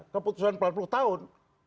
keputusan empat puluh tahun